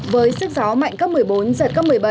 với sức gió mạnh cấp một mươi bốn giật cấp một mươi bảy